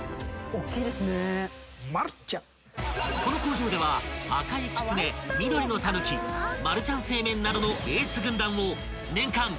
［この工場では赤いきつね緑のたぬきマルちゃん正麺などのエース軍団を］